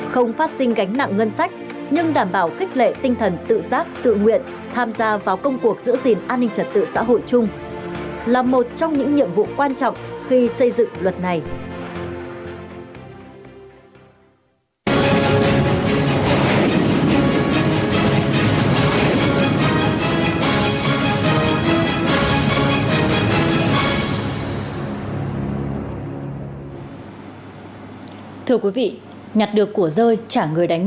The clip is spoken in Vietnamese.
không phát sinh gánh nặng ngân sách nhưng đảm bảo khích lệ tinh thần tự giác tự nguyện tham gia vào công cuộc giữ gìn an ninh trật tự xã hội chung là một trong những nhiệm vụ quan trọng khi xây dựng luật này